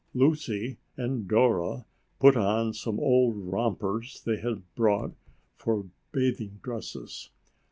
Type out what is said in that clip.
Lucy and Dora put on some old rompers they had brought for bathing dresses.